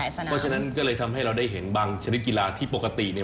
เพราะฉะนั้นก็เลยทำให้เราได้เห็นบางชนิดกีฬาที่ปกติเนี่ย